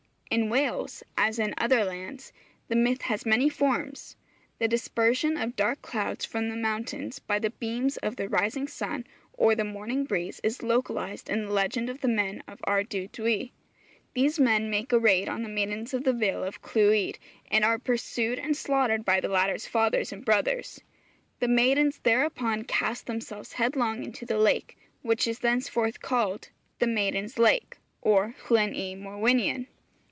In Wales, as in other lands, the myth has many forms. The dispersion of dark clouds from the mountains, by the beams of the rising sun, or the morning breezes, is localized in the legend of the Men of Ardudwy. These men make a raid on the maidens of the Vale of Clwyd, and are pursued and slaughtered by the latter's fathers and brothers. The maidens thereupon cast themselves headlong into the lake, which is thenceforth called the Maidens' Lake, or Llyn y Morwynion.